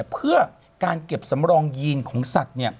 เพื่อการเก็บสำรองยีนของสัตว์